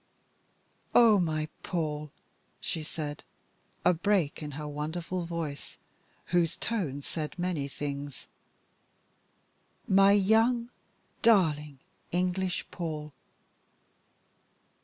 "Oh, my Paul," she said, a break in her wonderful voice, whose tones said many things, "my young, darling, English Paul!"